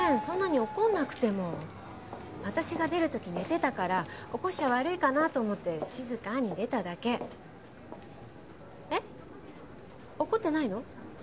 そんなに怒んなくても私が出る時寝てたから起こしちゃ悪いかなと思って静かに出ただけえっ怒ってないの？